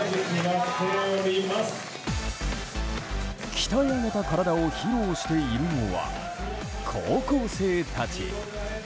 鍛え上げた体を披露しているのは高校生たち。